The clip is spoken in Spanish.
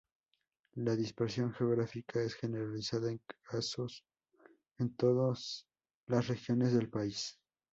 La dispersión geográfica es generalizada, con casos en todas las regiones del país.